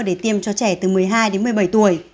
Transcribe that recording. để tiêm cho trẻ từ một mươi hai đến một mươi bảy tuổi